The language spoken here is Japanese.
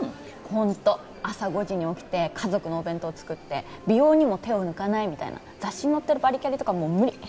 ホント朝５時に起きて家族のお弁当作って美容にも手を抜かないみたいな雑誌に載ってるバリキャリとかもう無理